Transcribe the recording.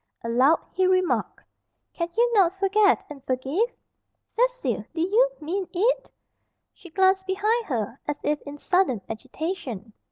Aloud he remarked, "Can you not forget and forgive?" "Cecil, do you mean it?" She glanced behind her as if in sudden agitation.